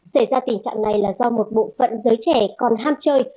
xảy ra tình trạng này là do một bộ phận giới trẻ còn ham chơi